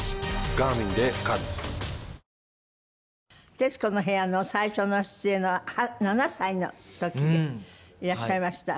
『徹子の部屋』の最初の出演は７歳の時でいらっしゃいました。